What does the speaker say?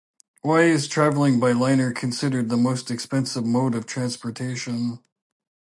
Why is traveling by liner considered the most expensive mode of transportation?